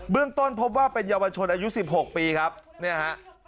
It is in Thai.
เรื่องต้นพบว่าเป็นเยาวชนอายุ๑๖ปีครับเนี่ยฮะ